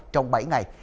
trong bảy ngày